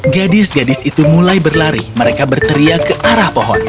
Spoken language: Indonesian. gadis gadis itu mulai berlari mereka berteriak ke arah pohon